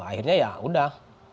akhirnya ya udah